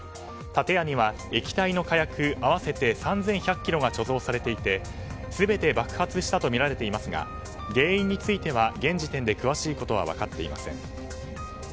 建屋には、液体の火薬合わせて３１００ｋｇが貯蔵されていて全て爆発したとみられていますが原因については現時点で詳しいことは分かっていません。